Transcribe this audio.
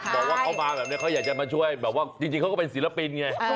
บอกว่าเขามาแบบนี้เขาอยากจะมาช่วยแบบว่าจริงเขาก็เป็นศิลปินไง